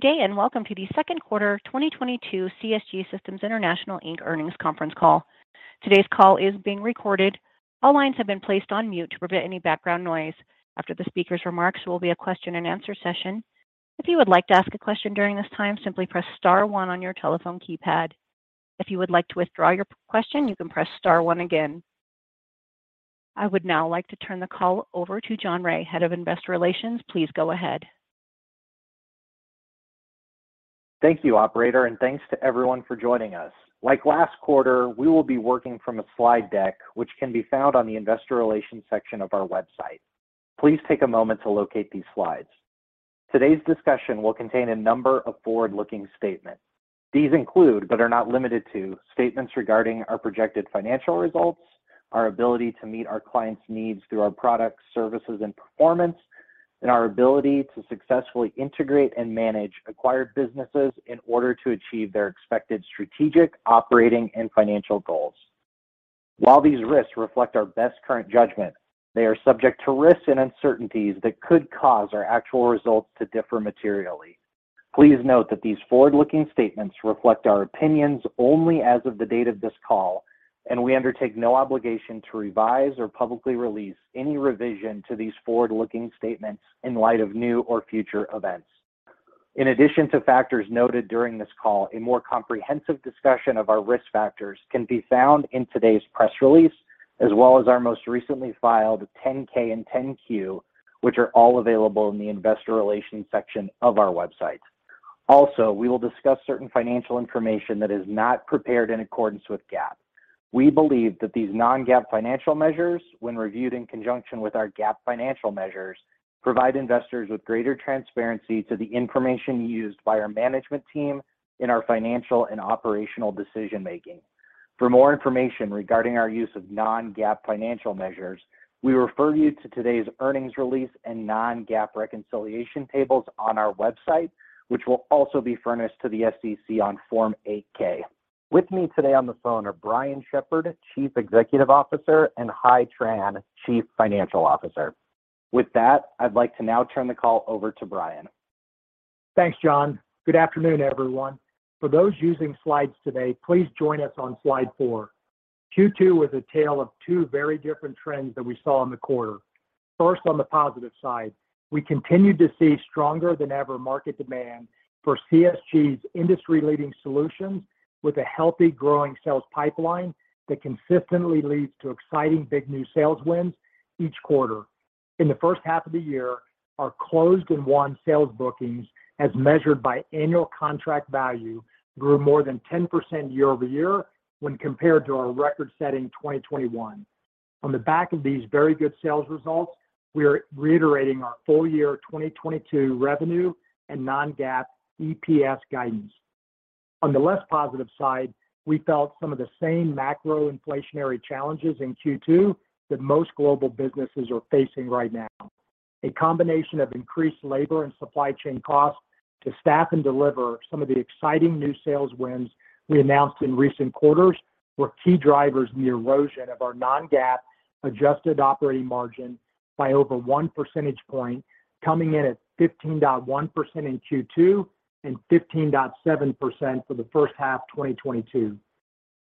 Good day, and welcome to the second quarter 2022 CSG Systems International, Inc. earnings conference call. Today's call is being recorded. All lines have been placed on mute to prevent any background noise. After the speaker's remarks, will be a question and answer session. If you would like to ask a question during this time, simply press star one on your telephone keypad. If you would like to withdraw your question, you can press star one again. I would now like to turn the call over to John Rea, Head of Investor Relations. Please go ahead. Thank you, operator, and thanks to everyone for joining us. Like last quarter, we will be working from a slide deck, which can be found on the investor relations section of our website. Please take a moment to locate these slides. Today's discussion will contain a number of forward-looking statements. These include, but are not limited to, statements regarding our projected financial results, our ability to meet our clients' needs through our products, services, and performance, and our ability to successfully integrate and manage acquired businesses in order to achieve their expected strategic, operating, and financial goals. While these risks reflect our best current judgment, they are subject to risks and uncertainties that could cause our actual results to differ materially. Please note that these forward-looking statements reflect our opinions only as of the date of this call, and we undertake no obligation to revise or publicly release any revision to these forward-looking statements in light of new or future events. In addition to factors noted during this call, a more comprehensive discussion of our risk factors can be found in today's press release, as well as our most recently filed 10-K and 10-Q, which are all available in the investor relations section of our website. Also, we will discuss certain financial information that is not prepared in accordance with GAAP. We believe that these non-GAAP financial measures, when reviewed in conjunction with our GAAP financial measures, provide investors with greater transparency to the information used by our management team in our financial and operational decision-making. For more information regarding our use of non-GAAP financial measures, we refer you to today's earnings release and non-GAAP reconciliation tables on our website, which will also be furnished to the SEC on Form 8-K. With me today on the phone are Brian Shepherd, Chief Executive Officer, and Hai Tran, Chief Financial Officer. With that, I'd like to now turn the call over to Brian. Thanks, John. Good afternoon, everyone. For those using slides today, please join us on slide 4. Q2 was a tale of two very different trends that we saw in the quarter. First, on the positive side, we continued to see stronger than ever market demand for CSG's industry-leading solutions with a healthy growing sales pipeline that consistently leads to exciting big new sales wins each quarter. In the first half of the year, our closed and won sales bookings as measured by annual contract value grew more than 10% year-over-year when compared to our record-setting 2021. On the back of these very good sales results, we are reiterating our full year 2022 revenue and non-GAAP EPS guidance. On the less positive side, we felt some of the same macro inflationary challenges in Q2 that most global businesses are facing right now. A combination of increased labor and supply chain costs to staff and deliver some of the exciting new sales wins we announced in recent quarters were key drivers in the erosion of our non-GAAP adjusted operating margin by over one percentage point, coming in at 15.1% in Q2 and 15.7% for the first half 2022.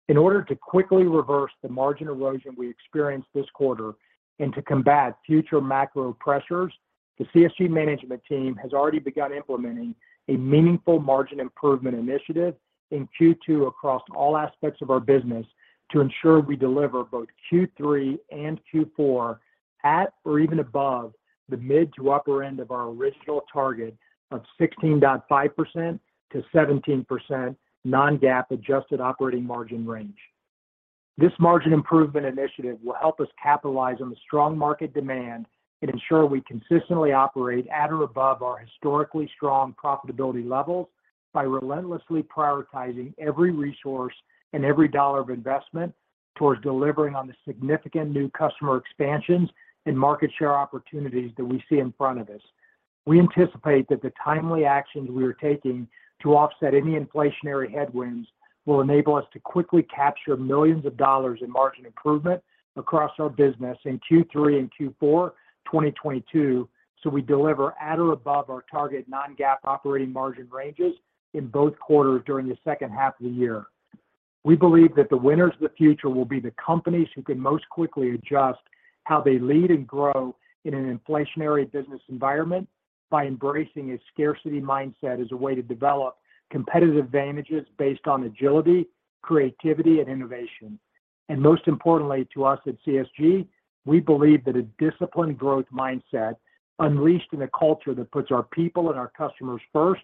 In order to quickly reverse the margin erosion we experienced this quarter and to combat future macro pressures, the CSG management team has already begun implementing a meaningful margin improvement initiative in Q2 across all aspects of our business to ensure we deliver both Q3 and Q4 at or even above the mid to upper end of our original target of 16.5%-17% non-GAAP adjusted operating margin range. This margin improvement initiative will help us capitalize on the strong market demand and ensure we consistently operate at or above our historically strong profitability levels by relentlessly prioritizing every resource and every dollar of investment towards delivering on the significant new customer expansions and market share opportunities that we see in front of us. We anticipate that the timely actions we are taking to offset any inflationary headwinds will enable us to quickly capture $ millions in margin improvement across our business in Q3 and Q4 2022 so we deliver at or above our target non-GAAP operating margin ranges in both quarters during the second half of the year. We believe that the winners of the future will be the companies who can most quickly adjust how they lead and grow in an inflationary business environment by embracing a scarcity mindset as a way to develop competitive advantages based on agility, creativity, and innovation. Most importantly to us at CSG, we believe that a disciplined growth mindset unleashed in a culture that puts our people and our customers first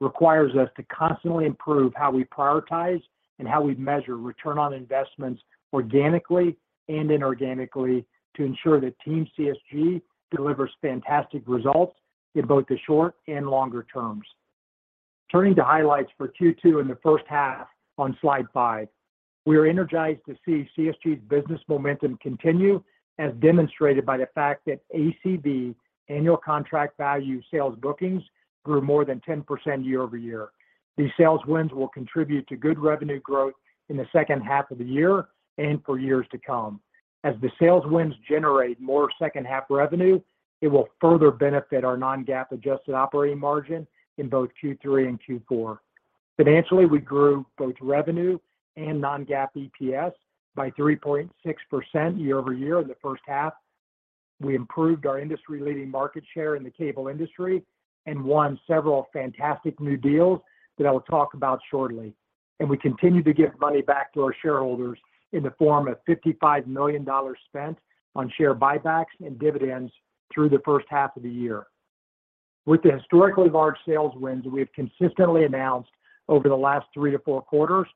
requires us to constantly improve how we prioritize and how we measure return on investments organically and inorganically to ensure that Team CSG delivers fantastic results in both the short and longer terms. Turning to highlights for Q2 and the first half on slide 5. We are energized to see CSG's business momentum continue as demonstrated by the fact that ACV, annual contract value sales bookings, grew more than 10% year-over-year. These sales wins will contribute to good revenue growth in the second half of the year and for years to come. As the sales wins generate more second half revenue, it will further benefit our non-GAAP adjusted operating margin in both Q3 and Q4. Financially, we grew both revenue and non-GAAP EPS by 3.6% year-over-year in the first half. We improved our industry-leading market share in the cable industry and won several fantastic new deals that I will talk about shortly. We continue to give money back to our shareholders in the form of $55 million spent on share buybacks and dividends through the first half of the year. With the historically large sales wins we have consistently announced over the last 3-4 quarters,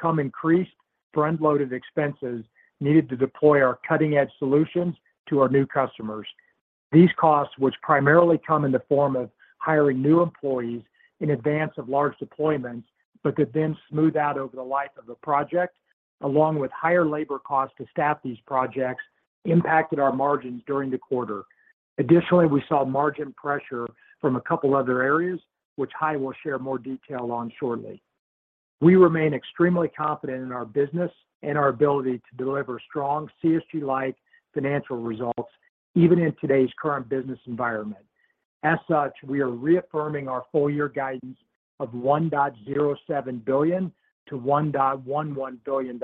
come increased front-loaded expenses needed to deploy our cutting-edge solutions to our new customers. These costs, which primarily come in the form of hiring new employees in advance of large deployments, but could then smooth out over the life of the project, along with higher labor costs to staff these projects, impacted our margins during the quarter. Additionally, we saw margin pressure from a couple other areas which I will share more detail on shortly. We remain extremely confident in our business and our ability to deliver strong CSG-like financial results even in today's current business environment. As such, we are reaffirming our full year guidance of $1.07 billion-$1.11 billion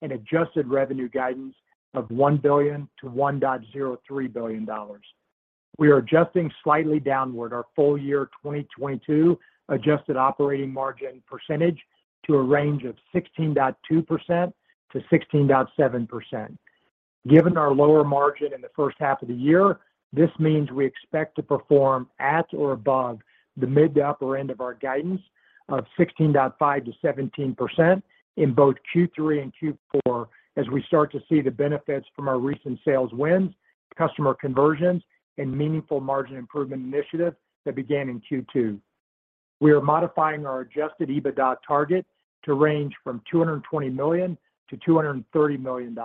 and adjusted revenue guidance of $1 billion-$1.03 billion. We are adjusting slightly downward our full year 2022 adjusted operating margin percentage to a range of 16.2%-16.7%. Given our lower margin in the first half of the year, this means we expect to perform at or above the mid to upper end of our guidance of 16.5%-17% in both Q3 and Q4 as we start to see the benefits from our recent sales wins, customer conversions, and meaningful margin improvement initiatives that began in Q2. We are modifying our adjusted EBITDA target to range from $220 million-$230 million.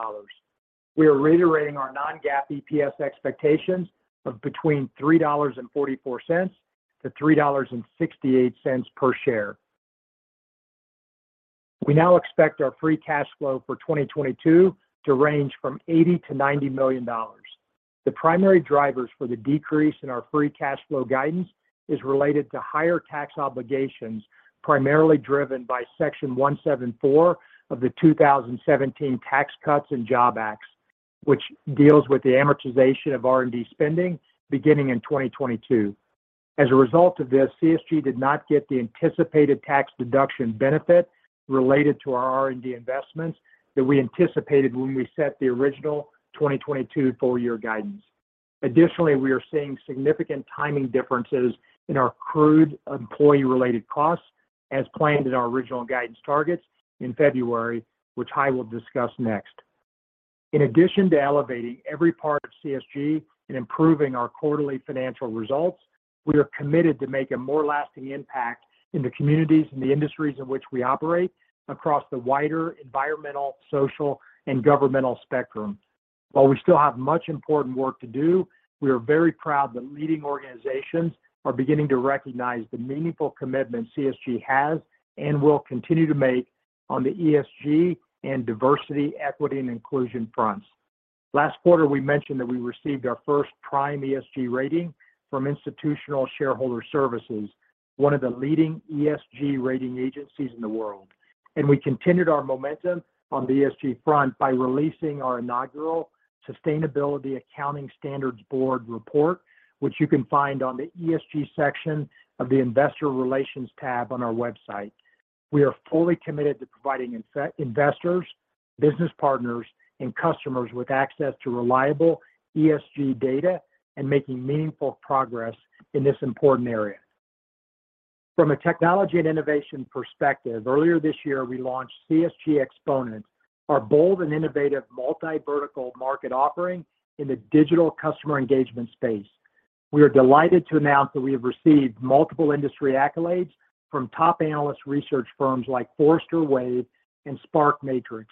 We are reiterating our non-GAAP EPS expectations of between $3.44-$3.68 per share. We now expect our free cash flow for 2022 to range from $80 million-$90 million. The primary drivers for the decrease in our free cash flow guidance is related to higher tax obligations, primarily driven by Section 174 of the 2017 Tax Cuts and Jobs Act, which deals with the amortization of R&D spending beginning in 2022. As a result of this, CSG did not get the anticipated tax deduction benefit related to our R&D investments that we anticipated when we set the original 2022 full year guidance. Additionally, we are seeing significant timing differences in our accrued employee-related costs as planned in our original guidance targets in February, which I will discuss next. In addition to elevating every part of CSG and improving our quarterly financial results, we are committed to making a more lasting impact in the communities and the industries in which we operate across the wider environmental, social, and governance spectrum. While we still have much important work to do, we are very proud that leading organizations are beginning to recognize the meaningful commitment CSG has and will continue to make on the ESG and diversity, equity, and inclusion fronts. Last quarter, we mentioned that we received our first prime ESG rating from Institutional Shareholder Services, one of the leading ESG rating agencies in the world. We continued our momentum on the ESG front by releasing our inaugural Sustainability Accounting Standards Board report, which you can find on the ESG section of the Investor Relations tab on our website. We are fully committed to providing investors, business partners, and customers with access to reliable ESG data and making meaningful progress in this important area. From a technology and innovation perspective, earlier this year, we launched CSG Xponent, our bold and innovative multi-vertical market offering in the digital customer engagement space. We are delighted to announce that we have received multiple industry accolades from top analyst research firms like Forrester Wave and SPARK Matrix.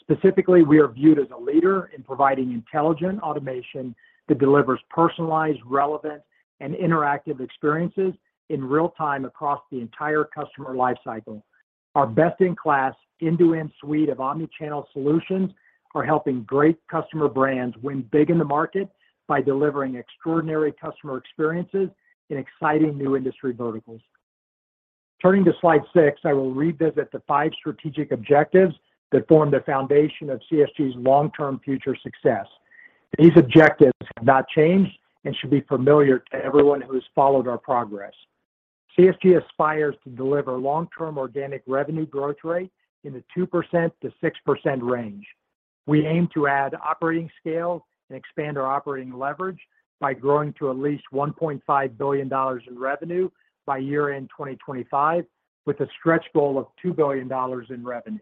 Specifically, we are viewed as a leader in providing intelligent automation that delivers personalized, relevant, and interactive experiences in real time across the entire customer life cycle. Our best-in-class end-to-end suite of omni-channel solutions are helping great customer brands win big in the market by delivering extraordinary customer experiences in exciting new industry verticals. Turning to slide six, I will revisit the five strategic objectives that form the foundation of CSG's long-term future success. These objectives have not changed and should be familiar to everyone who has followed our progress. CSG aspires to deliver long-term organic revenue growth rate in the 2%-6% range. We aim to add operating scale and expand our operating leverage by growing to at least $1.5 billion in revenue by year-end 2025, with a stretch goal of $2 billion in revenue.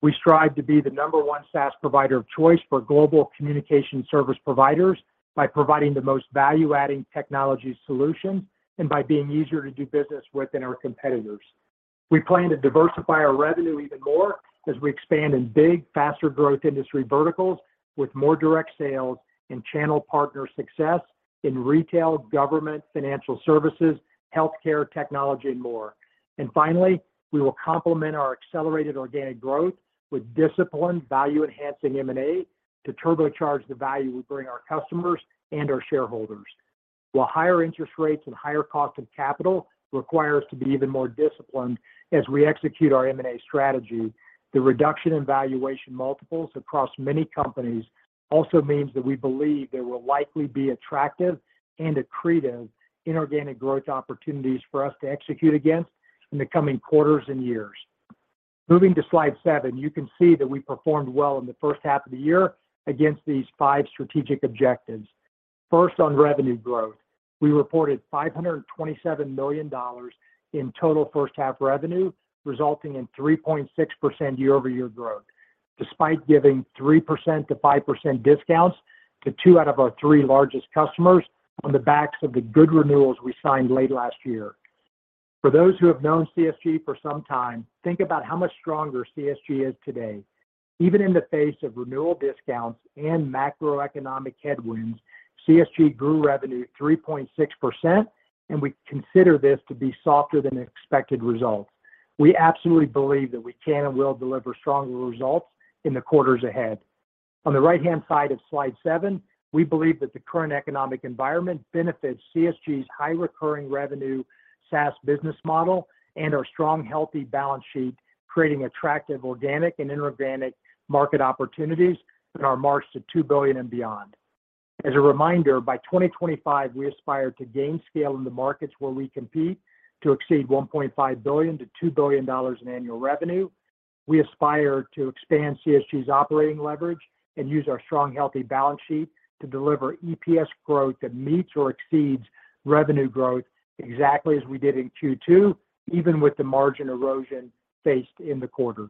We strive to be the number one SaaS provider of choice for global communication service providers by providing the most value-adding technology solutions and by being easier to do business with than our competitors. We plan to diversify our revenue even more as we expand in big, faster growth industry verticals with more direct sales and channel partner success in retail, government, financial services, healthcare, technology, and more. Finally, we will complement our accelerated organic growth with disciplined, value-enhancing M&A to turbocharge the value we bring our customers and our shareholders. While higher interest rates and higher cost of capital require us to be even more disciplined as we execute our M&A strategy, the reduction in valuation multiples across many companies also means that we believe there will likely be attractive and accretive inorganic growth opportunities for us to execute against in the coming quarters and years. Moving to slide seven, you can see that we performed well in the first half of the year against these five strategic objectives. First, on revenue growth, we reported $527 million in total first half revenue, resulting in 3.6% year-over-year growth, despite giving 3%-5% discounts to two out of our three largest customers on the backs of the good renewals we signed late last year. For those who have known CSG for some time, think about how much stronger CSG is today. Even in the face of renewal discounts and macroeconomic headwinds, CSG grew revenue 3.6%, and we consider this to be softer than expected results. We absolutely believe that we can and will deliver stronger results in the quarters ahead. On the right-hand side of slide 7, we believe that the current economic environment benefits CSG's high recurring revenue SaaS business model and our strong, healthy balance sheet, creating attractive organic and inorganic market opportunities in our march to $2 billion and beyond. As a reminder, by 2025, we aspire to gain scale in the markets where we compete to exceed $1.5 billion-$2 billion in annual revenue. We aspire to expand CSG's operating leverage and use our strong, healthy balance sheet to deliver EPS growth that meets or exceeds revenue growth exactly as we did in Q2, even with the margin erosion faced in the quarter.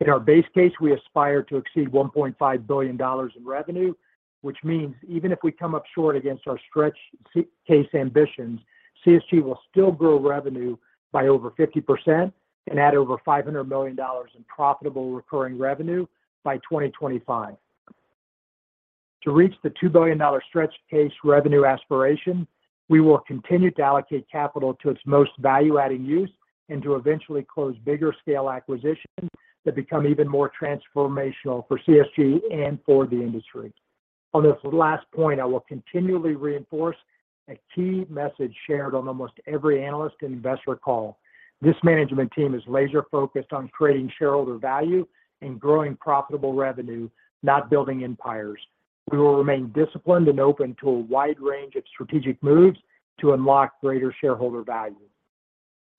In our base case, we aspire to exceed $1.5 billion in revenue, which means even if we come up short against our stretch case ambitions, CSG will still grow revenue by over 50% and add over $500 million in profitable recurring revenue by 2025. To reach the $2 billion stretch case revenue aspiration, we will continue to allocate capital to its most value-adding use and to eventually close bigger scale acquisitions that become even more transformational for CSG and for the industry. On this last point, I will continually reinforce a key message shared on almost every analyst and investor call. This management team is laser focused on creating shareholder value and growing profitable revenue, not building empires. We will remain disciplined and open to a wide range of strategic moves to unlock greater shareholder value.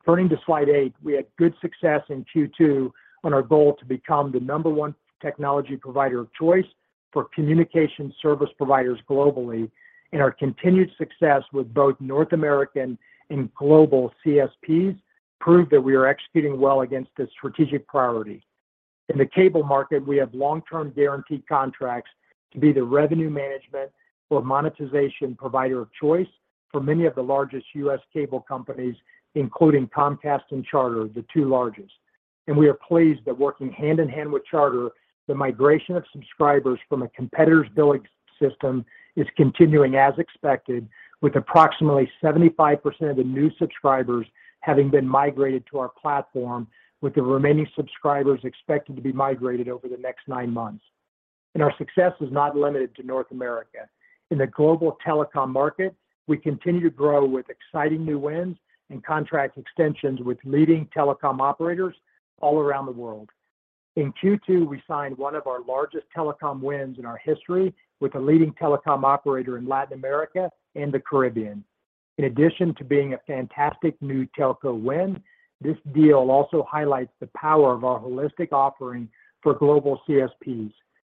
Turning to slide 8, we had good success in Q2 on our goal to become the number one technology provider of choice for communication service providers globally, and our continued success with both North American and global CSPs prove that we are executing well against this strategic priority. In the cable market, we have long-term guaranteed contracts to be the revenue management or monetization provider of choice for many of the largest U.S. cable companies, including Comcast and Charter, the two largest. We are pleased that working hand in hand with Charter, the migration of subscribers from a competitor's billing system is continuing as expected, with approximately 75% of the new subscribers having been migrated to our platform, with the remaining subscribers expected to be migrated over the next nine months. Our success is not limited to North America. In the global telecom market, we continue to grow with exciting new wins and contract extensions with leading telecom operators all around the world. In Q2, we signed one of our largest telecom wins in our history with a leading telecom operator in Latin America and the Caribbean. In addition to being a fantastic new telco win, this deal also highlights the power of our holistic offering for global CSPs.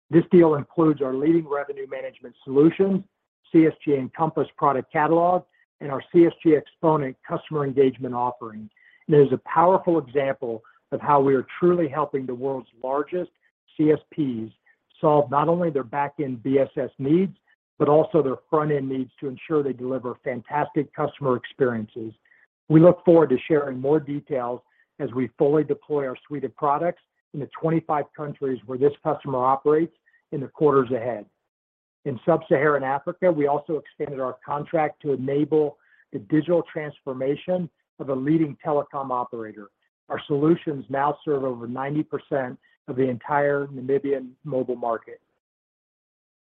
This deal includes our leading revenue management solutions, CSG Encompass product catalog, and our CSG Xponent customer engagement offering. It is a powerful example of how we are truly helping the world's largest CSPs solve not only their back-end BSS needs, but also their front-end needs to ensure they deliver fantastic customer experiences. We look forward to sharing more details as we fully deploy our suite of products in the 25 countries where this customer operates in the quarters ahead. In sub-Saharan Africa, we also expanded our contract to enable the digital transformation of a leading telecom operator. Our solutions now serve over 90% of the entire Namibian mobile market.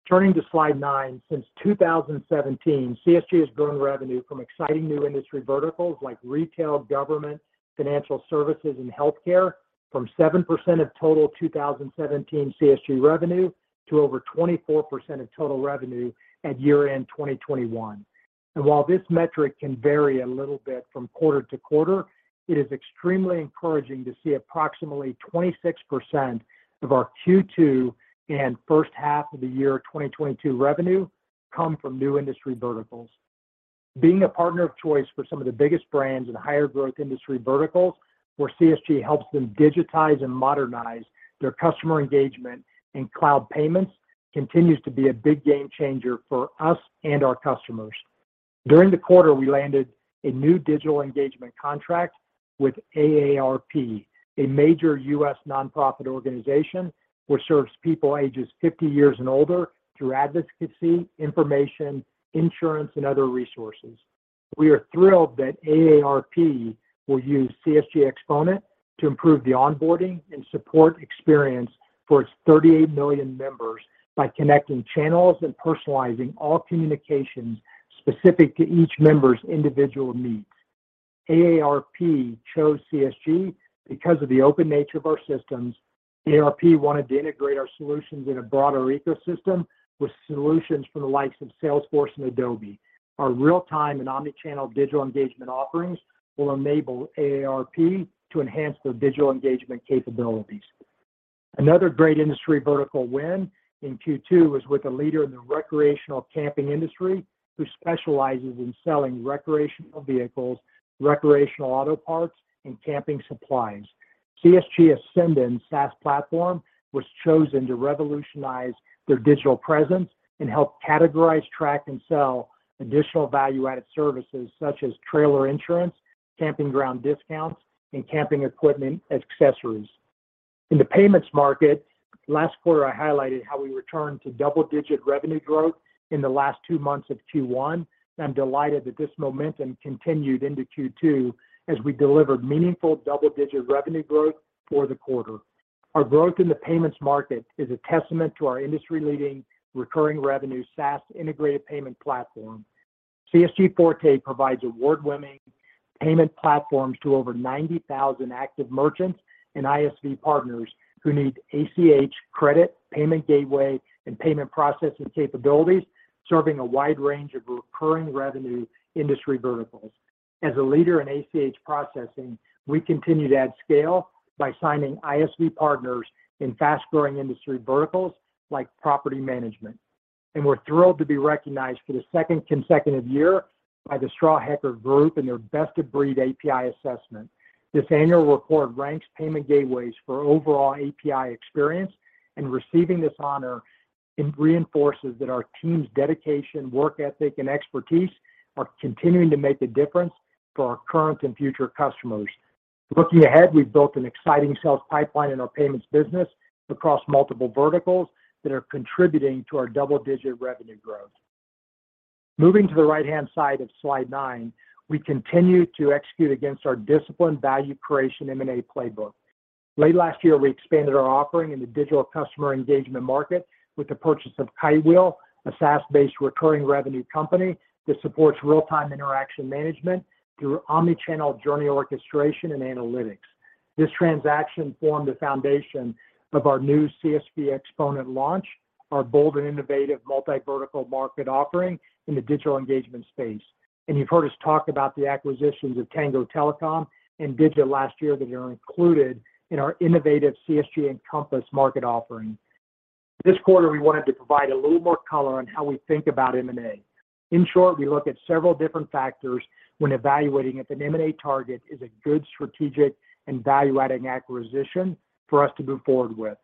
Turning to slide 9, since 2017, CSG has grown revenue from exciting new industry verticals like retail, government, financial services, and healthcare from 7% of total 2017 CSG revenue to over 24% of total revenue at year-end 2021. While this metric can vary a little bit from quarter to quarter, it is extremely encouraging to see approximately 26% of our Q2 and first half of the year 2022 revenue come from new industry verticals. Being a partner of choice for some of the biggest brands in higher growth industry verticals where CSG helps them digitize and modernize their customer engagement and cloud payments continues to be a big game changer for us and our customers. During the quarter, we landed a new digital engagement contract with AARP, a major U.S. nonprofit organization which serves people ages 50 years and older through advocacy, information, insurance, and other resources. We are thrilled that AARP will use CSG Xponent to improve the onboarding and support experience for its 38 million members by connecting channels and personalizing all communications specific to each member's individual needs. AARP chose CSG because of the open nature of our systems. AARP wanted to integrate our solutions in a broader ecosystem with solutions from the likes of Salesforce and Adobe. Our real-time and omni-channel digital engagement offerings will enable AARP to enhance their digital engagement capabilities. Another great industry vertical win in Q2 was with a leader in the recreational camping industry who specializes in selling recreational vehicles, recreational auto parts, and camping supplies. CSG Ascendon’s SaaS platform was chosen to revolutionize their digital presence and help categorize, track, and sell additional value-added services such as trailer insurance, camping ground discounts, and camping equipment accessories. In the payments market, last quarter, I highlighted how we returned to double-digit revenue growth in the last 2 months of Q1, and I'm delighted that this momentum continued into Q2 as we delivered meaningful double-digit revenue growth for the quarter. Our growth in the payments market is a testament to our industry-leading recurring revenue SaaS integrated payment platform. CSG Forte provides award-winning payment platforms to over 90,000 active merchants and ISV partners who need ACH credit, payment gateway, and payment processing capabilities, serving a wide range of recurring revenue industry verticals. As a leader in ACH processing, we continue to add scale by signing ISV partners in fast-growing industry verticals like property management. We're thrilled to be recognized for the second consecutive year by The Strawhecker Group and their Best of Breed API assessment. This annual report ranks payment gateways for overall API experience, and receiving this honor it reinforces that our team's dedication, work ethic, and expertise are continuing to make a difference for our current and future customers. Looking ahead, we've built an exciting sales pipeline in our payments business across multiple verticals that are contributing to our double-digit revenue growth. Moving to the right-hand side of slide 9, we continue to execute against our disciplined value creation M&A playbook. Late last year, we expanded our offering in the digital customer engagement market with the purchase of Kitewheel, a SaaS-based recurring revenue company that supports real-time interaction management through omni-channel journey orchestration and analytics. This transaction formed the foundation of our new CSG Xponent launch, our bold and innovative multi-vertical market offering in the digital engagement space. You've heard us talk about the acquisitions of Tango Telecom and DGIT last year that are included in our innovative CSG Encompass market offering. This quarter, we wanted to provide a little more color on how we think about M&A. In short, we look at several different factors when evaluating if an M&A target is a good strategic and value-adding acquisition for us to move forward with.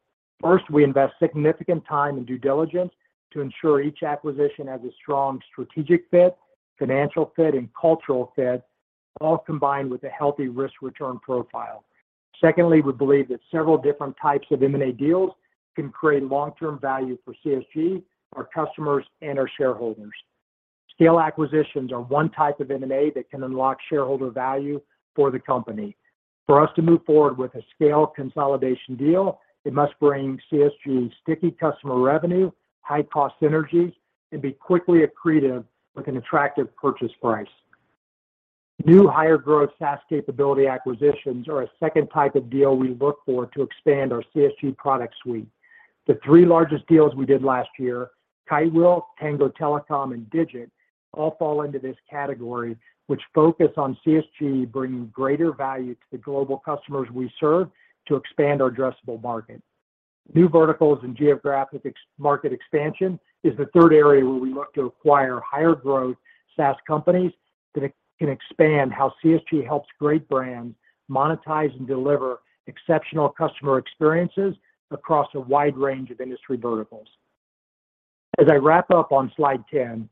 First, we invest significant time in due diligence to ensure each acquisition has a strong strategic fit, financial fit, and cultural fit, all combined with a healthy risk-return profile. Secondly, we believe that several different types of M&A deals can create long-term value for CSG, our customers, and our shareholders. Scale acquisitions are one type of M&A that can unlock shareholder value for the company. For us to move forward with a scale consolidation deal, it must bring CSG sticky customer revenue, high cost synergies, and be quickly accretive with an attractive purchase price. New higher growth SaaS capability acquisitions are a second type of deal we look for to expand our CSG product suite. The three largest deals we did last year, Kitewheel, Tango Telecom, and DGIT Systems, all fall into this category, which focus on CSG bringing greater value to the global customers we serve to expand our addressable market. New verticals and geographic market expansion is the third area where we look to acquire higher growth SaaS companies that can expand how CSG helps great brands monetize and deliver exceptional customer experiences across a wide range of industry verticals. As I wrap up on slide 10,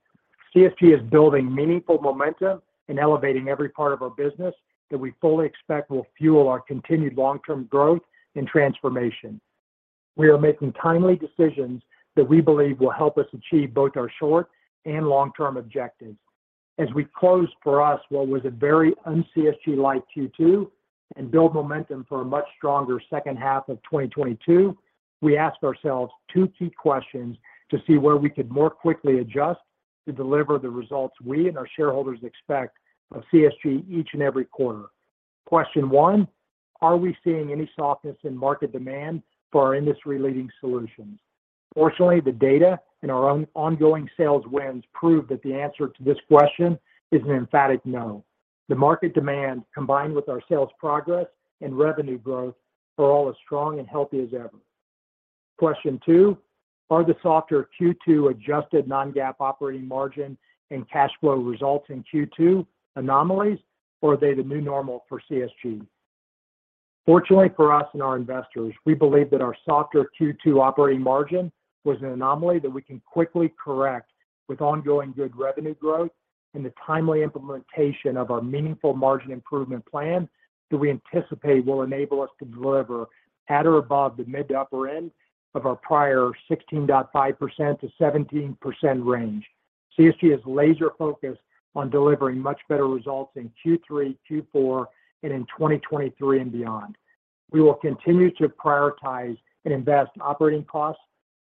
CSG is building meaningful momentum and elevating every part of our business that we fully expect will fuel our continued long-term growth and transformation. We are making timely decisions that we believe will help us achieve both our short and long-term objectives. As we close for us what was a very un-CSG-like Q2 and build momentum for a much stronger second half of 2022, we ask ourselves two key questions to see where we could more quickly adjust to deliver the results we and our shareholders expect of CSG each and every quarter. Question one. Are we seeing any softness in market demand for our industry-leading solutions? Fortunately, the data and our ongoing sales wins prove that the answer to this question is an emphatic no. The market demand, combined with our sales progress and revenue growth, are all as strong and healthy as ever. Question two. Are the softer Q2 adjusted non-GAAP operating margin and cash flow results in Q2 anomalies, or are they the new normal for CSG? Fortunately for us and our investors, we believe that our softer Q2 operating margin was an anomaly that we can quickly correct with ongoing good revenue growth and the timely implementation of our meaningful margin improvement plan that we anticipate will enable us to deliver at or above the mid to upper end of our prior 16.5% to 17% range. CSG is laser focused on delivering much better results in Q3, Q4, and in 2023 and beyond. We will continue to prioritize and invest operating costs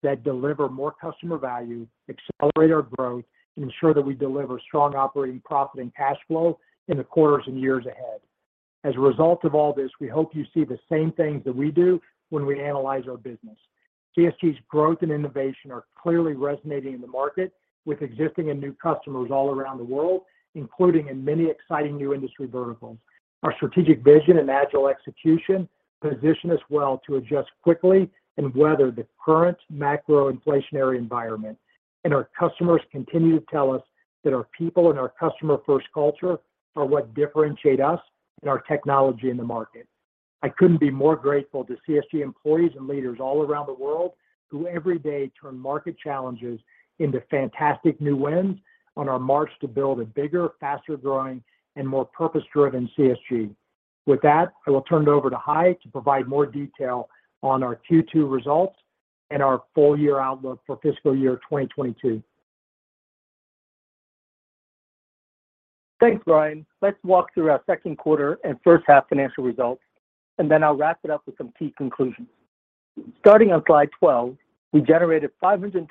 that deliver more customer value, accelerate our growth, and ensure that we deliver strong operating profit and cash flow in the quarters and years ahead. As a result of all this, we hope you see the same things that we do when we analyze our business. CSG's growth and innovation are clearly resonating in the market with existing and new customers all around the world, including in many exciting new industry verticals. Our strategic vision and agile execution position us well to adjust quickly and weather the current macro inflationary environment. Our customers continue to tell us that our people and our customer-first culture are what differentiate us and our technology in the market. I couldn't be more grateful to CSG employees and leaders all around the world who every day turn market challenges into fantastic new wins on our march to build a bigger, faster growing and more purpose-driven CSG. With that, I will turn it over to Hai to provide more detail on our Q2 results and our full year outlook for fiscal year 2022. Thanks, Brian. Let's walk through our second quarter and first half financial results, and then I'll wrap it up with some key conclusions. Starting on slide 12, we generated $527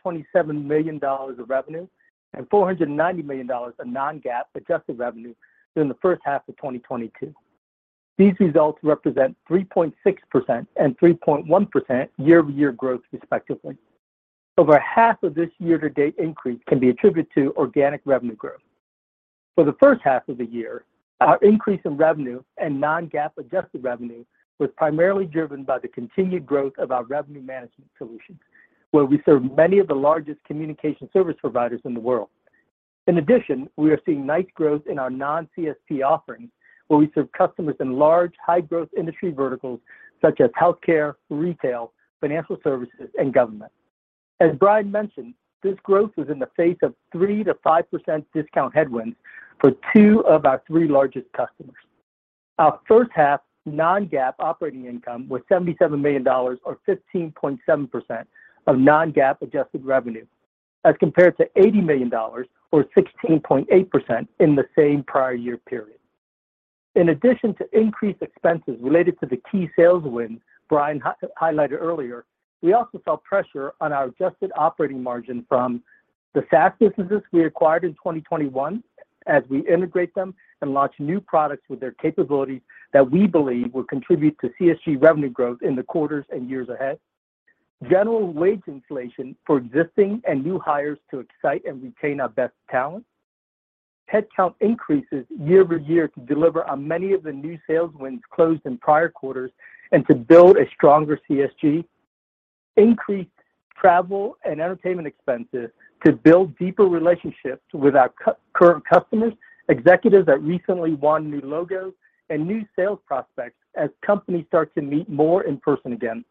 million of revenue and $490 million of non-GAAP adjusted revenue during the first half of 2022. These results represent 3.6% and 3.1% year-over-year growth, respectively. Over half of this year-to-date increase can be attributed to organic revenue growth. For the first half of the year, our increase in revenue and non-GAAP adjusted revenue was primarily driven by the continued growth of our revenue management solutions, where we serve many of the largest communication service providers in the world. In addition, we are seeing nice growth in our non-CSP offerings, where we serve customers in large, high-growth industry verticals such as healthcare, retail, financial services, and government. As Brian mentioned, this growth was in the face of 3%-5% discount headwinds for two of our three largest customers. Our first half non-GAAP operating income was $77 million or 15.7% of non-GAAP adjusted revenue, as compared to $80 million or 16.8% in the same prior year period. In addition to increased expenses related to the key sales wins Brian highlighted earlier, we also saw pressure on our adjusted operating margin from the SaaS businesses we acquired in 2021 as we integrate them and launch new products with their capabilities that we believe will contribute to CSG revenue growth in the quarters and years ahead. General wage inflation for existing and new hires to excite and retain our best talent. Headcount increases year-over-year to deliver on many of the new sales wins closed in prior quarters and to build a stronger CSG. Increased travel and entertainment expenses to build deeper relationships with our current customers, executives that recently won new logos, and new sales prospects as companies start to meet more in person again.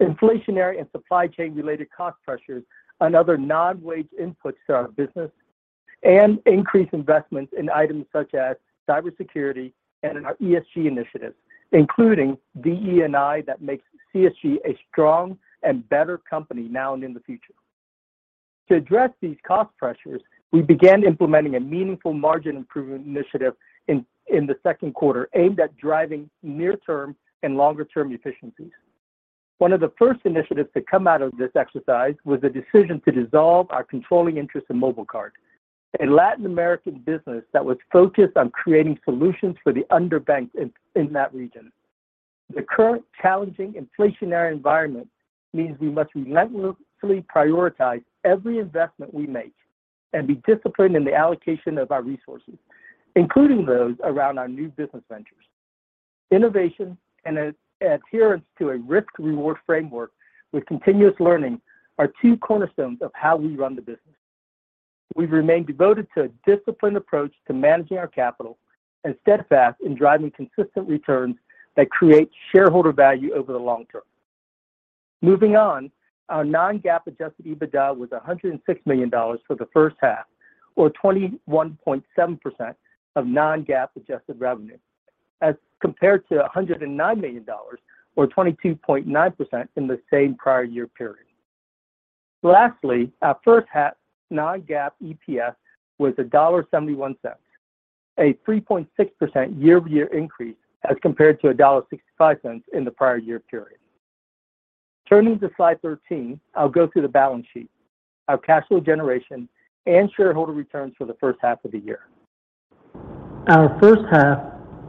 Inflationary and supply chain-related cost pressures on other non-wage inputs to our business, and increased investments in items such as cybersecurity and our ESG initiatives, including DE&I that makes CSG a strong and better company now and in the future. To address these cost pressures, we began implementing a meaningful margin improvement initiative in the second quarter aimed at driving near-term and longer-term efficiencies. One of the first initiatives to come out of this exercise was the decision to dissolve our controlling interest in Paymóvil, a Latin American business that was focused on creating solutions for the underbanked in that region. The current challenging inflationary environment means we must relentlessly prioritize every investment we make and be disciplined in the allocation of our resources, including those around our new business ventures. Innovation and adherence to a risk-reward framework with continuous learning are two cornerstones of how we run the business. We've remained devoted to a disciplined approach to managing our capital and steadfast in driving consistent returns that create shareholder value over the long term. Moving on, our non-GAAP adjusted EBITDA was $106 million for the first half or 21.7% of non-GAAP adjusted revenue as compared to $109 million or 22.9% in the same prior year period. Lastly, our first half non-GAAP EPS was $1.71, a 3.6% year-over-year increase as compared to $1.65 in the prior year period. Turning to slide 13, I'll go through the balance sheet, our cash flow generation, and shareholder returns for the first half of the year. Our first half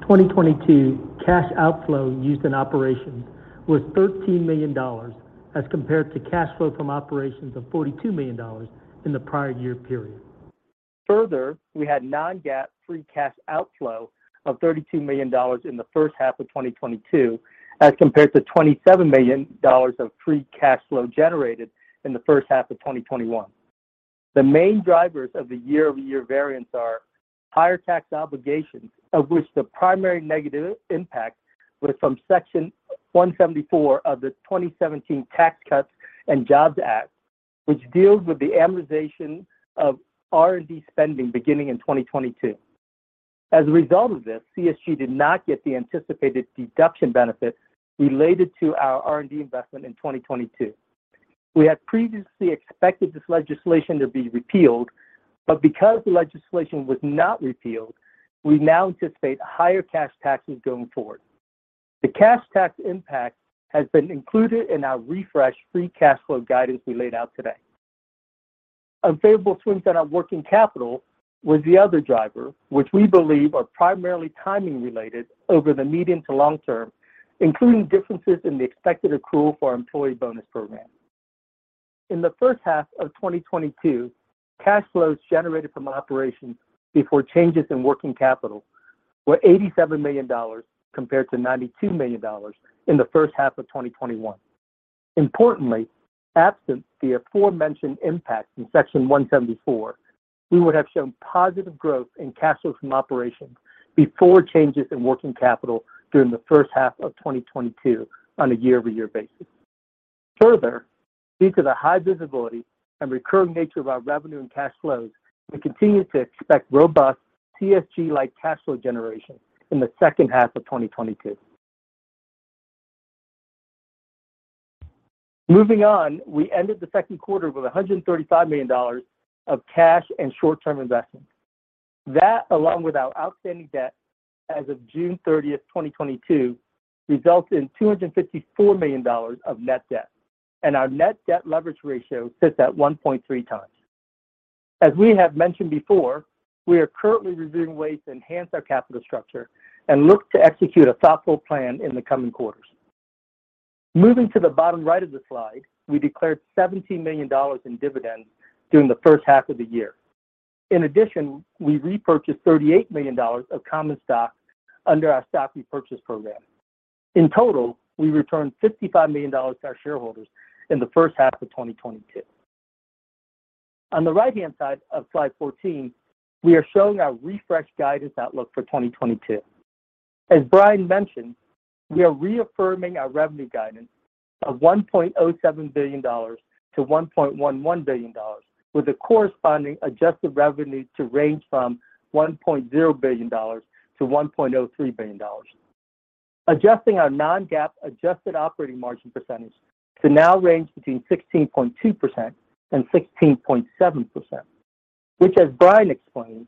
2022 cash outflow used in operations was $13 million as compared to cash flow from operations of $42 million in the prior year period. Further, we had non-GAAP free cash outflow of $32 million in the first half of 2022 as compared to $27 million of free cash flow generated in the first half of 2021. The main drivers of the year-over-year variance are higher tax obligations, of which the primary negative impact was from Section 174 of the 2017 Tax Cuts and Jobs Act, which deals with the amortization of R&D spending beginning in 2022. As a result of this, CSG did not get the anticipated deduction benefit related to our R&D investment in 2022. We had previously expected this legislation to be repealed, but because the legislation was not repealed, we now anticipate higher cash taxes going forward. The cash tax impact has been included in our refreshed free cash flow guidance we laid out today. Unfavorable swings in our working capital was the other driver, which we believe are primarily timing related over the medium to long term, including differences in the expected accrual for our employee bonus program. In the first half of 2022, cash flows generated from operations before changes in working capital were $87 million compared to $92 million in the first half of 2021. Importantly, absent the aforementioned impact in Section 174, we would have shown positive growth in cash flows from operations before changes in working capital during the first half of 2022 on a year-over-year basis. Further, due to the high visibility and recurring nature of our revenue and cash flows, we continue to expect robust CSG-like cash flow generation in the second half of 2022. Moving on, we ended the second quarter with $135 million of cash and short-term investments. That, along with our outstanding debt as of June 30, 2022, results in $254 million of net debt, and our net debt leverage ratio sits at 1.3 times. As we have mentioned before, we are currently reviewing ways to enhance our capital structure and look to execute a thoughtful plan in the coming quarters. Moving to the bottom right of the slide, we declared $17 million in dividends during the first half of the year. In addition, we repurchased $38 million of common stock under our stock repurchase program. In total, we returned $55 million to our shareholders in the first half of 2022. On the right-hand side of slide 14, we are showing our refreshed guidance outlook for 2022. As Brian mentioned, we are reaffirming our revenue guidance of $1.07 billion-$1.11 billion with a corresponding adjusted revenue to range from $1.0 billion-$1.03 billion. Adjusting our non-GAAP adjusted operating margin percentage to now range between 16.2%-16.7%, which as Brian explained,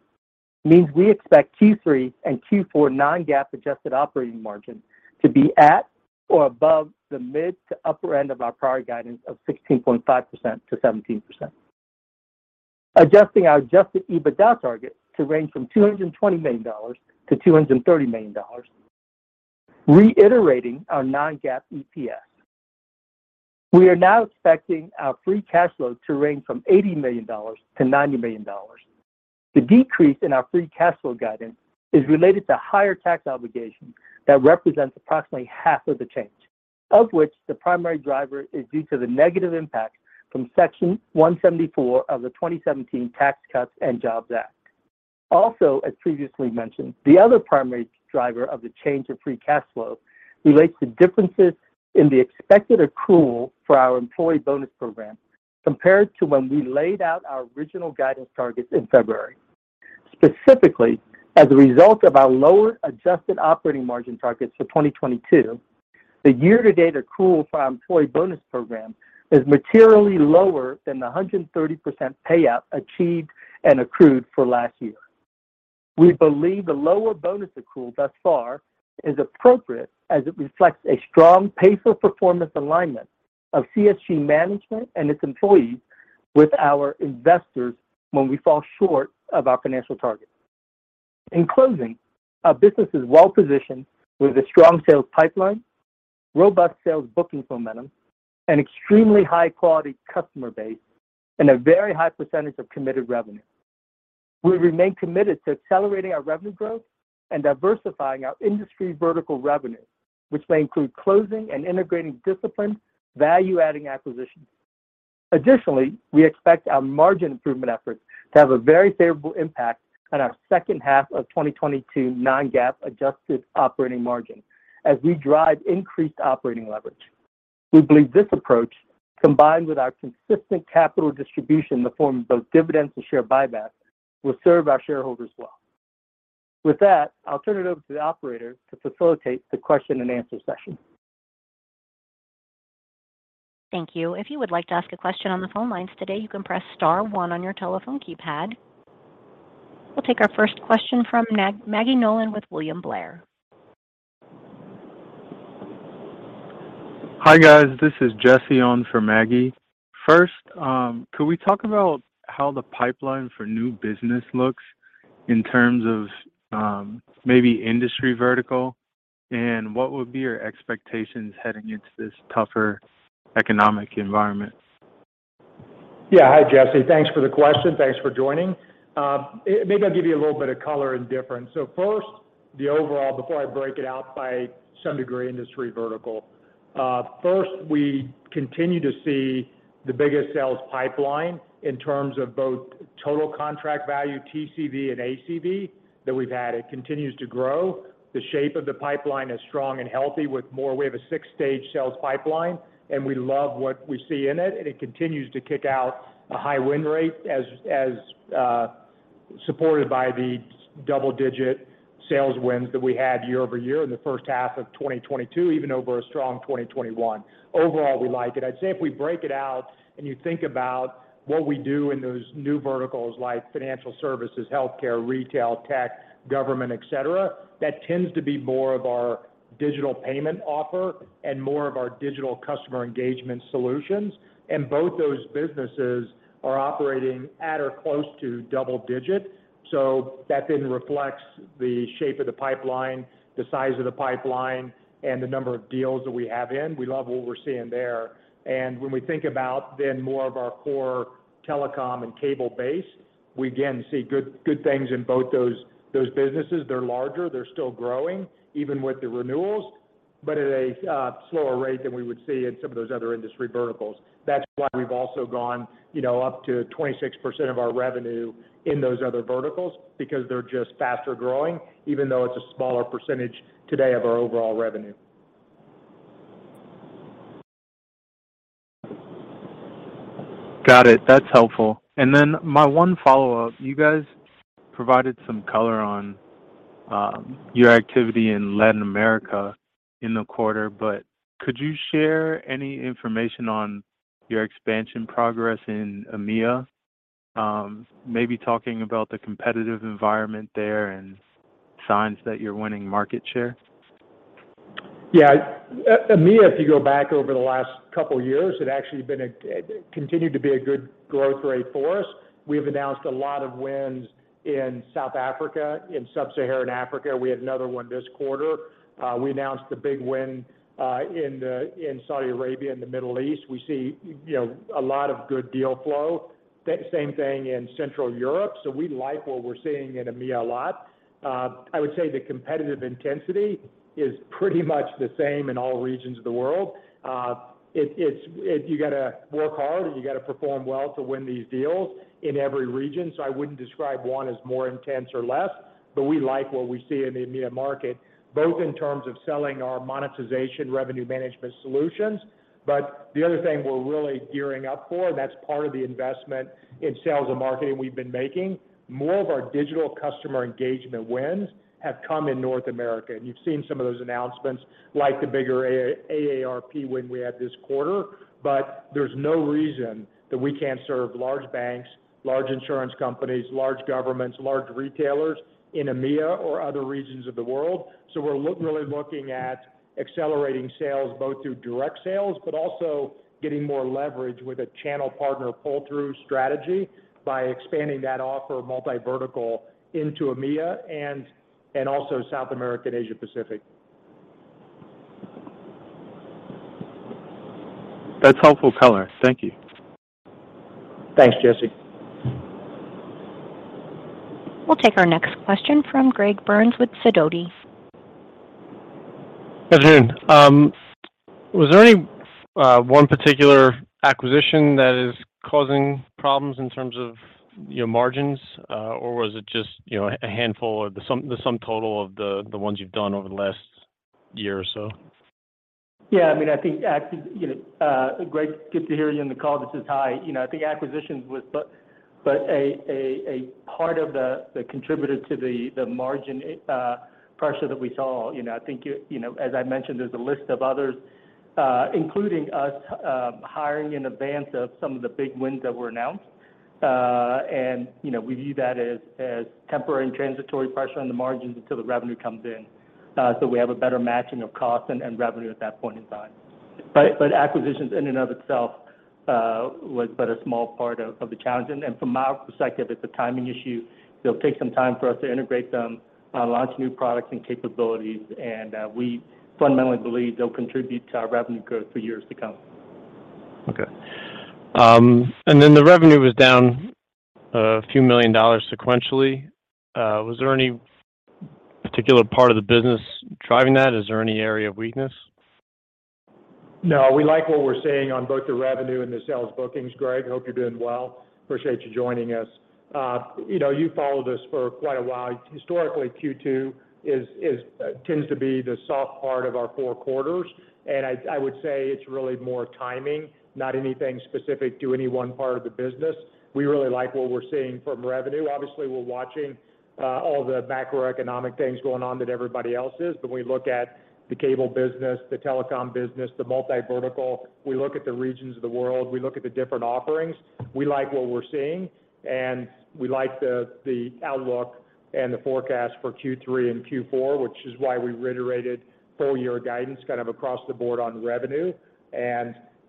means we expect Q3 and Q4 non-GAAP adjusted operating margin to be at or above the mid to upper end of our prior guidance of 16.5%-17%. Adjusting our adjusted EBITDA target to range from $220 million-$230 million. Reiterating our non-GAAP EPS. We are now expecting our free cash flow to range from $80 million to $90 million. The decrease in our free cash flow guidance is related to higher tax obligations that represents approximately half of the change, of which the primary driver is due to the negative impact from Section 174 of the 2017 Tax Cuts and Jobs Act. Also, as previously mentioned, the other primary driver of the change of free cash flow relates to differences in the expected accrual for our employee bonus program compared to when we laid out our original guidance targets in February. Specifically, as a result of our lower adjusted operating margin targets for 2022, the year-to-date accrual for our employee bonus program is materially lower than the 130% payout achieved and accrued for last year. We believe the lower bonus accrual thus far is appropriate as it reflects a strong pay for performance alignment of CSG management and its employees with our investors when we fall short of our financial targets. In closing, our business is well positioned with a strong sales pipeline, robust sales booking momentum, an extremely high-quality customer base, and a very high percentage of committed revenue. We remain committed to accelerating our revenue growth and diversifying our industry vertical revenue, which may include closing and integrating disciplined value-adding acquisitions. Additionally, we expect our margin improvement efforts to have a very favorable impact on our second half of 2022 non-GAAP adjusted operating margin as we drive increased operating leverage. We believe this approach, combined with our consistent capital distribution in the form of both dividends and share buybacks, will serve our shareholders well. With that, I'll turn it over to the operator to facilitate the question and answer session. Thank you. If you would like to ask a question on the phone lines today, you can press star one on your telephone keypad. We'll take our first question from Maggie Nolan with William Blair. Hi, guys. This is Jesse on for Maggie. First, could we talk about how the pipeline for new business looks in terms of, maybe industry vertical, and what would be your expectations heading into this tougher economic environment? Yeah. Hi, Jesse. Thanks for the question. Thanks for joining. Maybe I'll give you a little bit of color and difference. First, the overall before I break it out by some degree industry vertical. First, we continue to see the biggest sales pipeline in terms of both total contract value, TCV and ACV, that we've had. It continues to grow. The shape of the pipeline is strong and healthy with more. We have a six-stage sales pipeline, and we love what we see in it, and it continues to kick out a high win rate as supported by the double-digit sales wins that we had year-over-year in the first half of 2022, even over a strong 2021. Overall, we like it. I'd say if we break it out and you think about what we do in those new verticals like financial services, healthcare, retail, tech, government, et cetera, that tends to be more of our digital payment offer and more of our digital customer engagement solutions. Both those businesses are operating at or close to double-digit. That then reflects the shape of the pipeline, the size of the pipeline, and the number of deals that we have in. We love what we're seeing there. When we think about then more of our core telecom and cable base, we again see good things in both those businesses. They're larger, they're still growing even with the renewals, but at a slower rate than we would see in some of those other industry verticals. That's why we've also gone, you know, up to 26% of our revenue in those other verticals because they're just faster growing, even though it's a smaller percentage today of our overall revenue. Got it. That's helpful. My one follow-up, you guys provided some color on your activity in Latin America in the quarter, but could you share any information on your expansion progress in EMEA? Maybe talking about the competitive environment there and signs that you're winning market share. Yeah. EMEA, if you go back over the last couple years, had actually continued to be a good growth rate for us. We've announced a lot of wins in South Africa. In Sub-Saharan Africa, we had another one this quarter. We announced a big win in Saudi Arabia and the Middle East. We see, you know, a lot of good deal flow. The same thing in Central Europe, so we like what we're seeing in EMEA a lot. I would say the competitive intensity is pretty much the same in all regions of the world. It's you gotta work hard, and you gotta perform well to win these deals in every region, so I wouldn't describe one as more intense or less. We like what we see in the EMEA market, both in terms of selling our monetization revenue management solutions. The other thing we're really gearing up for, and that's part of the investment in sales and marketing we've been making, more of our digital customer engagement wins have come in North America. You've seen some of those announcements, like the bigger AARP win we had this quarter. There's no reason that we can't serve large banks, large insurance companies, large governments, large retailers in EMEA or other regions of the world. We're really looking at accelerating sales both through direct sales, but also getting more leverage with a channel partner pull-through strategy by expanding that offer multi-vertical into EMEA and also South America and Asia Pacific. That's helpful color. Thank you. Thanks, Jesse. We'll take our next question from Greg Burns with Sidoti. Hi, June. Was there any one particular acquisition that is causing problems in terms of your margins, or was it just, you know, a handful or the sum total of the ones you've done over the last year or so? Yeah, I mean, you know, Greg, good to hear you on the call. Hi. You know, I think acquisitions was but a part of the contributor to the margin pressure that we saw. You know, I think you know, as I mentioned, there's a list of others, including us hiring in advance of some of the big wins that were announced. You know, we view that as temporary and transitory pressure on the margins until the revenue comes in, so we have a better matching of cost and revenue at that point in time. Acquisitions in and of itself was but a small part of the challenge. From our perspective, it's a timing issue. It'll take some time for us to integrate them, launch new products and capabilities, and we fundamentally believe they'll contribute to our revenue growth for years to come. Okay. The revenue was down $ a few million sequentially. Was there any particular part of the business driving that? Is there any area of weakness? No, we like what we're seeing on both the revenue and the sales bookings, Greg. Hope you're doing well. Appreciate you joining us. You know, you followed us for quite a while. Historically, Q2 tends to be the soft part of our four quarters. I would say it's really more timing, not anything specific to any one part of the business. We really like what we're seeing from revenue. Obviously, we're watching all the macroeconomic things going on that everybody else is, but we look at the cable business, the telecom business, the multi-vertical. We look at the regions of the world, we look at the different offerings. We like what we're seeing, and we like the outlook and the forecast for Q3 and Q4, which is why we reiterated full year guidance kind of across the board on revenue.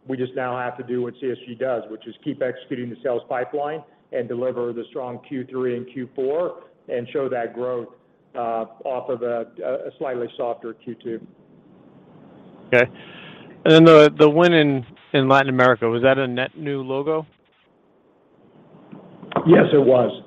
We just now have to do what CSG does, which is keep executing the sales pipeline and deliver the strong Q3 and Q4 and show that growth off of a slightly softer Q2. Okay. The win in Latin America, was that a net new logo? Yes, it was.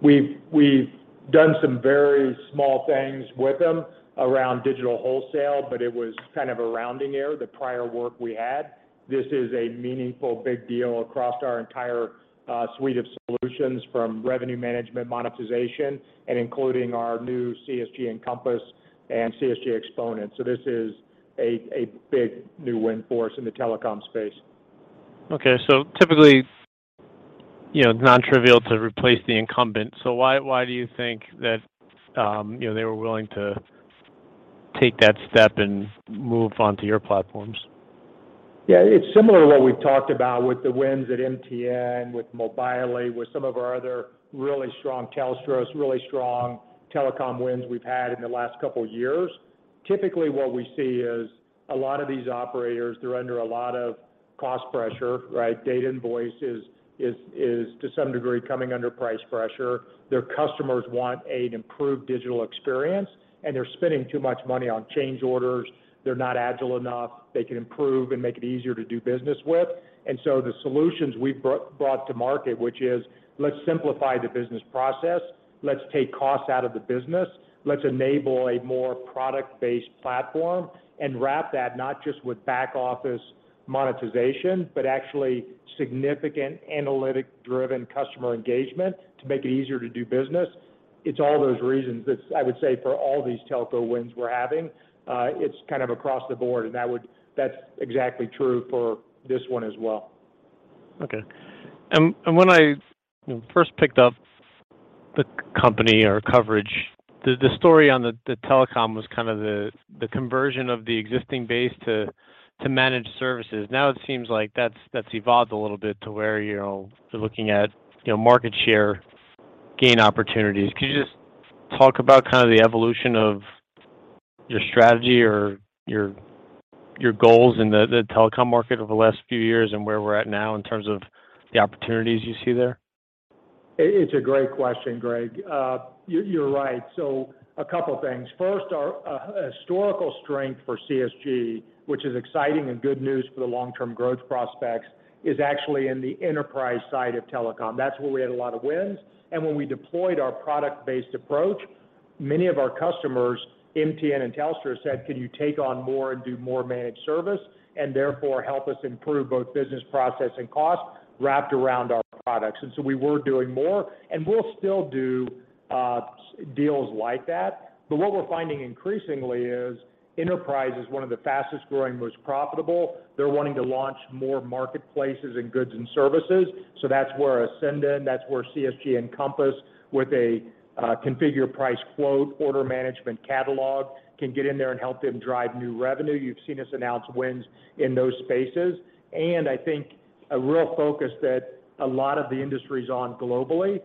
We've done some very small things with them around digital wholesale, but it was kind of a rounding error, the prior work we had. This is a meaningful big deal across our entire suite of solutions from revenue management monetization and including our new CSG Encompass and CSG Xponent. This is a big new win for us in the telecom space. Okay. Typically, you know, it's non-trivial to replace the incumbent. Why do you think that, you know, they were willing to take that step and move onto your platforms? Yeah. It's similar to what we've talked about with the wins at MTN, with Mobily, with some of our other really strong Telstra, really strong telecom wins we've had in the last couple years. Typically, what we see is a lot of these operators, they're under a lot of cost pressure, right? Data invoicing is to some degree coming under price pressure. Their customers want an improved digital experience, and they're spending too much money on change orders. They're not agile enough. They can improve and make it easier to do business with. The solutions we've brought to market, which is let's simplify the business process, let's take costs out of the business, let's enable a more product-based platform and wrap that not just with back office monetization, but actually significant analytic-driven customer engagement to make it easier to do business. It's all those reasons. I would say for all these telco wins we're having, it's kind of across the board, and that's exactly true for this one as well. Okay. When I, you know, first picked up the company or coverage, the story on the telecom was kind of the conversion of the existing base to managed services. Now it seems like that's evolved a little bit to where, you know, you're looking at, you know, market share gain opportunities. Could you just talk about kind of the evolution of your strategy or your goals in the telecom market over the last few years and where we're at now in terms of the opportunities you see there? It's a great question, Greg. You're right. A couple things. First, our historical strength for CSG, which is exciting and good news for the long-term growth prospects, is actually in the enterprise side of telecom. That's where we had a lot of wins. When we deployed our product-based approach, many of our customers, MTN and Telstra, said, "Can you take on more and do more managed service, and therefore help us improve both business process and cost wrapped around our products?" We were doing more, and we'll still do deals like that. What we're finding increasingly is enterprise is one of the fastest growing, most profitable. They're wanting to launch more marketplaces and goods and services. That's where Ascendon, CSG Encompass with a Configure Price Quote order management catalog can get in there and help them drive new revenue. You've seen us announce wins in those spaces. I think a real focus that a lot of the industry's on globally,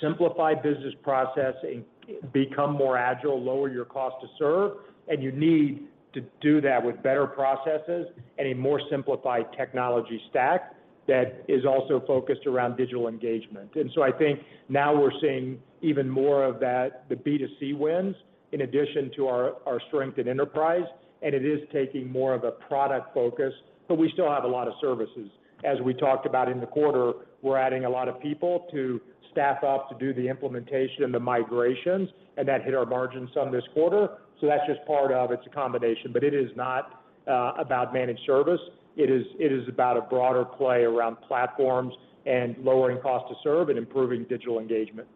simplify business process and become more agile, lower your cost to serve, and you need to do that with better processes and a more simplified technology stack that is also focused around digital engagement. I think now we're seeing even more of that, the B2C wins, in addition to our strength in enterprise, and it is taking more of a product focus, but we still have a lot of services. As we talked about in the quarter, we're adding a lot of people to staff up to do the implementation and the migrations, and that hit our margins some this quarter. That's just part of it. It's a combination. But it is not about managed service. It is about a broader play around platforms and lowering cost to serve and improving digital engagement.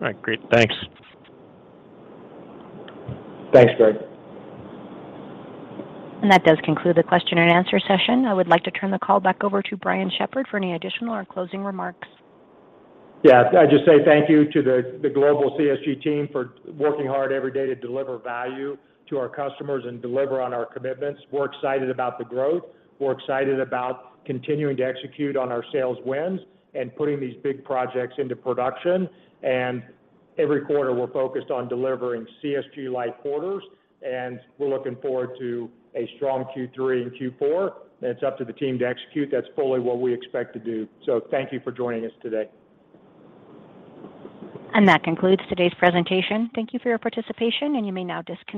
All right, great. Thanks. Thanks, Greg. That does conclude the question and answer session. I would like to turn the call back over to Brian Shepherd for any additional or closing remarks. Yeah. I'd just say thank you to the global CSG team for working hard every day to deliver value to our customers and deliver on our commitments. We're excited about the growth. We're excited about continuing to execute on our sales wins and putting these big projects into production. Every quarter, we're focused on delivering CSG-like quarters, and we're looking forward to a strong Q3 and Q4. It's up to the team to execute. That's fully what we expect to do. Thank you for joining us today. That concludes today's presentation. Thank you for your participation, and you may now disconnect.